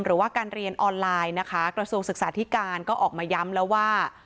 หรือว่าการเรียนออนไลน์นะคะกระทรวงศึกษาธิการก็ออกมาย้ำแล้วว่า